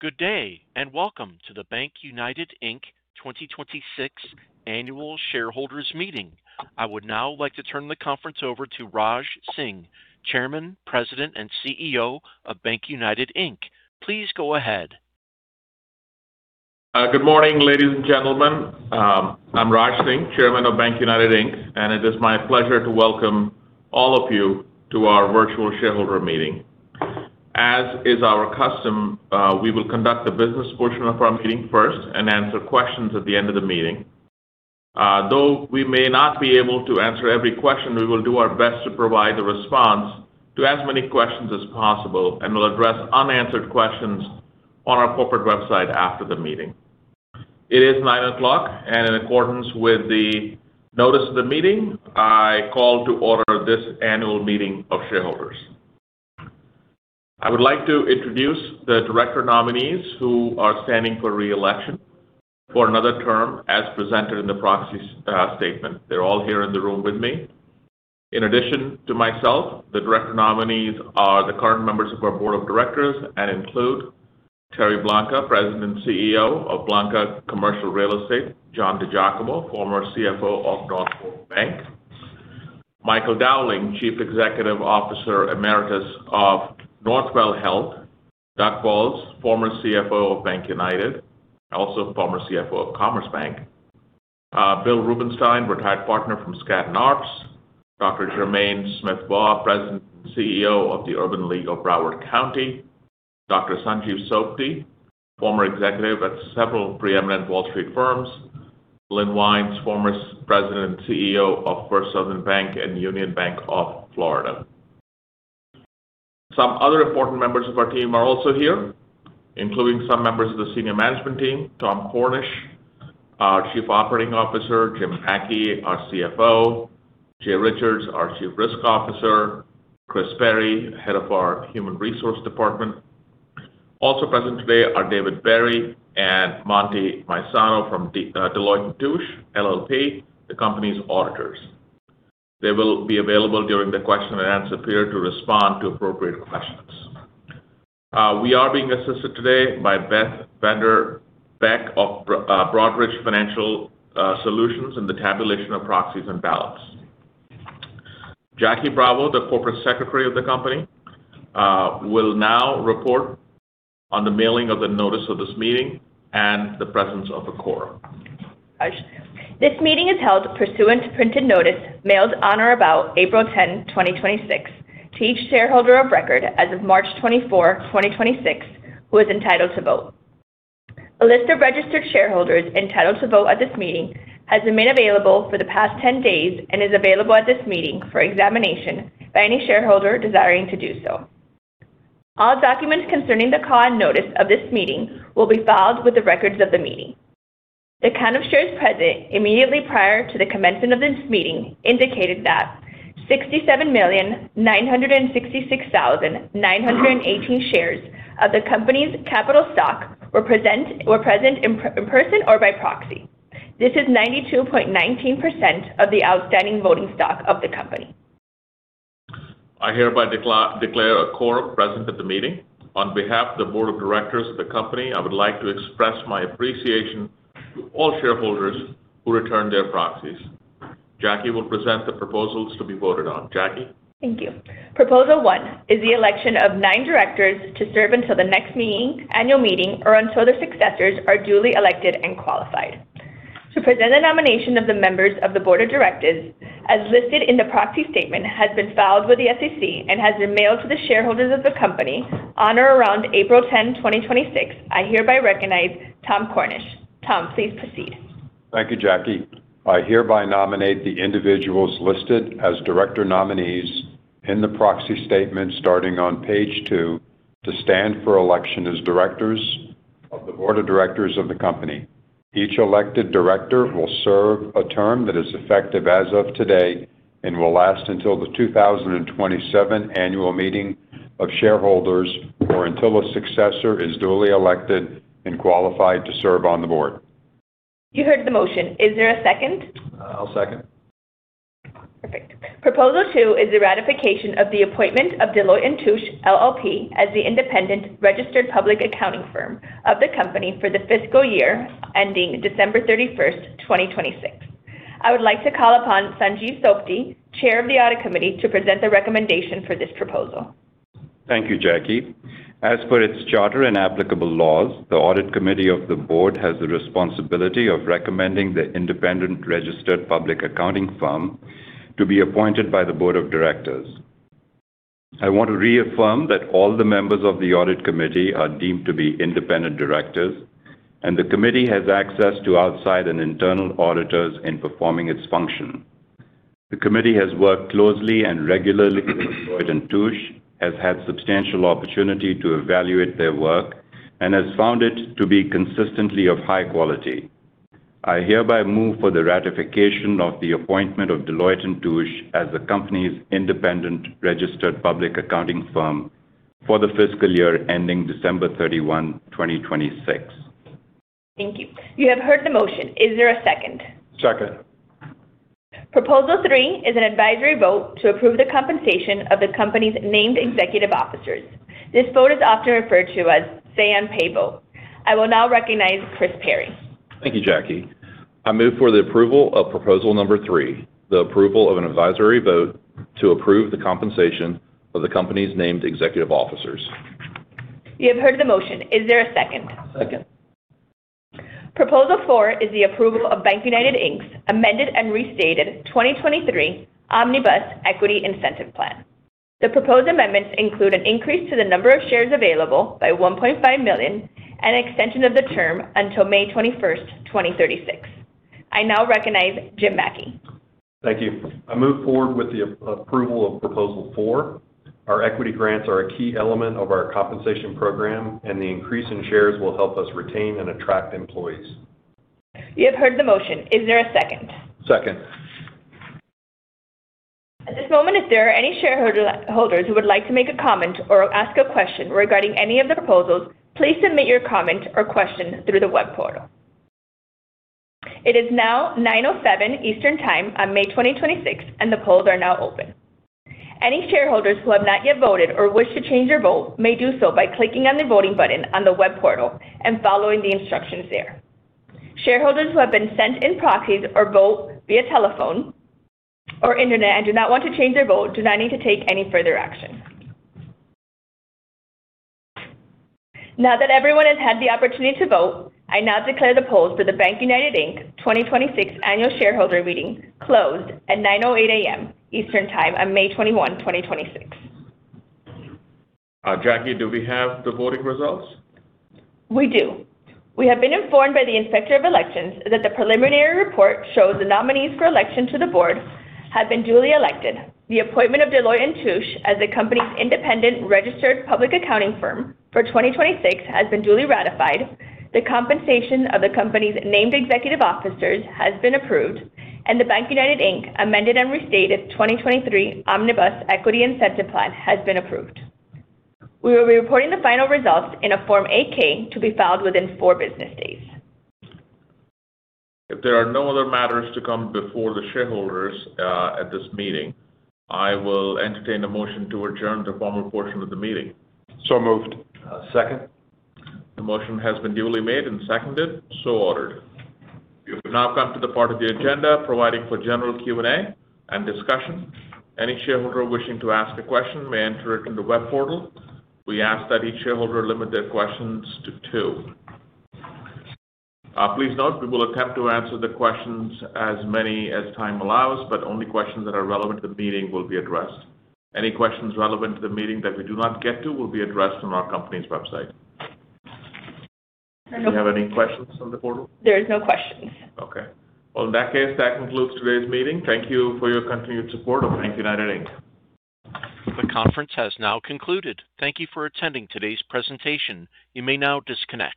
Good day. Welcome to the BankUnited Inc. 2026 Annual Shareholders Meeting. I would now like to turn the conference over to Raj Singh, Chairman, President, and CEO of BankUnited Inc. Please go ahead. Good morning, ladies and gentlemen. I'm Raj Singh, Chairman of BankUnited, Inc., and it is my pleasure to welcome all of you to our virtual shareholder meeting. As is our custom, we will conduct the business portion of our meeting first and answer questions at the end of the meeting. Though we may not be able to answer every question, we will do our best to provide a response to as many questions as possible and will address unanswered questions on our corporate website after the meeting. It is 9:00 A.M., and in accordance with the notice of the meeting, I call to order this annual meeting of shareholders. I would like to introduce the director nominees who are standing for re-election for another term as presented in the proxy statement. They're all here in the room with me. In addition to myself, the director nominees are the current members of our board of directors and include Tere Blanca, President and CEO of Blanca Commercial Real Estate. John DiGiacomo, former CFO of North Fork Bank. Michael Dowling, Chief Executive Officer Emeritus of Northwell Health. Doug Fowles, former CFO of BankUnited, also former CFO of Commerce Bank. Bill Rubenstein, retired partner from Skadden Arps. Dr. Germaine Smith-Baugh, President and CEO of the Urban League of Broward County. Dr. Sanjiv Sobti, former executive at several preeminent Wall Street firms. Lynne Wines, former President and CEO of First Southern Bank and Union Bank of Florida. Some other important members of our team are also here, including some members of the senior management team. Tom Cornish, our Chief Operating Officer. Jim Mackey, our CFO. Jay Richards, our Chief Risk Officer. Chris Perry, head of our human resource department. Also present today are David Berrey and Monty Maisano from Deloitte & Touche LLP, the company's auditors. They will be available during the question and answer period to respond to appropriate questions. We are being assisted today by Beth Bender Beck of Broadridge Financial Solutions in the tabulation of proxies and ballots. Jackie Bravo, the Corporate Secretary of the company, will now report on the mailing of the notice of this meeting and the presence of a quorum. This meeting is held pursuant to printed notice mailed on or about April 10, 2026, to each shareholder of record as of March 24, 2026, who is entitled to vote. A list of registered shareholders entitled to vote at this meeting has been made available for the past 10 days and is available at this meeting for examination by any shareholder desiring to do so. All documents concerning the call and notice of this meeting will be filed with the records of the meeting. The count of shares present immediately prior to the commencement of this meeting indicated that 67,966,918 shares of the company's capital stock were present in person or by proxy. This is 92.19% of the outstanding voting stock of the company. I hereby declare a quorum present at the meeting. On behalf of the board of directors of the company, I would like to express my appreciation to all shareholders who returned their proxies. Jackie will present the proposals to be voted on. Jackie? Thank you. Proposal one is the election of nine directors to serve until the next annual meeting or until their successors are duly elected and qualified. To present the nomination of the members of the board of directors, as listed in the proxy statement, has been filed with the SEC and has been mailed to the shareholders of the company on or around April 10, 2026. I hereby recognize Tom Cornish. Tom, please proceed. Thank you, Jackie. I hereby nominate the individuals listed as director nominees in the proxy statement starting on page two to stand for election as directors of the board of directors of the company. Each elected director will serve a term that is effective as of today and will last until the 2027 annual meeting of shareholders, or until a successor is duly elected and qualified to serve on the board. You heard the motion. Is there a second? I'll second. Perfect. Proposal two is the ratification of the appointment of Deloitte & Touche LLP as the independent registered public accounting firm of the company for the fiscal year ending December 31st, 2026. I would like to call upon Sanjiv Sobti, Chair of the Audit Committee, to present the recommendation for this proposal. Thank you, Jackie. As per its charter and applicable laws, the Audit Committee of the Board has the responsibility of recommending the independent registered public accounting firm to be appointed by the Board of Directors. I want to reaffirm that all the members of the Audit Committee are deemed to be independent directors, and the Committee has access to outside and internal auditors in performing its function. The Committee has worked closely and regularly with Deloitte & Touche, has had substantial opportunity to evaluate their work, and has found it to be consistently of high quality. I hereby move for the ratification of the appointment of Deloitte & Touche as the company's independent registered public accounting firm for the fiscal year ending December 31, 2026. Thank you. You have heard the motion. Is there a second? Second. Proposal three is an advisory vote to approve the compensation of the company's named executive officers. This vote is often referred to as say on pay vote. I will now recognize Chris Perry. Thank you, Jackie. I move for the approval of proposal number three, the approval of an advisory vote to approve the compensation of the company's named executive officers. You have heard the motion. Is there a second? Second. Proposal four is the approval of BankUnited, Inc.'s Amended and Restated 2023 Omnibus Equity Incentive Plan. The proposed amendments include an increase to the number of shares available by 1.5 million and an extension of the term until May 21st, 2036. I now recognize Jim Mackey. Thank you. I move forward with the approval of proposal four. Our equity grants are a key element of our compensation program, and the increase in shares will help us retain and attract employees. You have heard the motion. Is there a second? Second. At this moment, if there are any shareholders who would like to make a comment or ask a question regarding any of the proposals, please submit your comment or question through the web portal. It is now 9:07 A.M. Eastern Time on May 2026. The polls are now open. Any shareholders who have not yet voted or wish to change their vote may do so by clicking on the voting button on the web portal and following the instructions there. Shareholders who have been sent in proxies or vote via telephone or internet and do not want to change their vote do not need to take any further action. Now that everyone has had the opportunity to vote, I now declare the polls for the BankUnited, Inc. 2026 Annual shareholder meeting closed at 9:08 A.M. Eastern Time on May 21, 2026. Jackie, do we have the voting results? We do. We have been informed by the Inspector of Elections that the preliminary report shows the nominees for election to the board have been duly elected. The appointment of Deloitte & Touche LLP as the company's independent registered public accounting firm for 2026 has been duly ratified. The compensation of the company's named executive officers has been approved, and the BankUnited, Inc. Amended and Restated 2023 Omnibus Equity Incentive Plan has been approved. We will be reporting the final results in a Form 8-K to be filed within four business days. If there are no other matters to come before the shareholders at this meeting, I will entertain a motion to adjourn the formal portion of the meeting. Moved. Second. The motion has been duly made and seconded. Ordered. We have now come to the part of the agenda providing for general Q&A and discussion. Any shareholder wishing to ask a question may enter it in the web portal. We ask that each shareholder limit their questions to two. Please note we will attempt to answer the questions as many as time allows, but only questions that are relevant to the meeting will be addressed. Any questions relevant to the meeting that we do not get to will be addressed on our company's website. Do we have any questions on the portal? There is no questions. Okay. Well, in that case, that concludes today's meeting. Thank you for your continued support of BankUnited Inc. The conference has now concluded. Thank you for attending today's presentation. You may now disconnect.